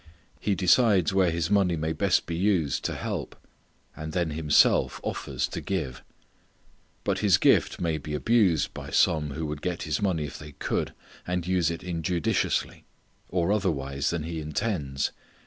He decides where his money may best be used to help; and then himself offers to give. But his gift may be abused by some who would get his money if they could, and use it injudiciously, or otherwise than he intends.